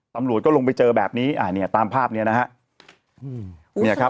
ตำรวจก็ลงไปเจอแบบนี้อ่าเนี่ยตามภาพเนี่ยนะฮะ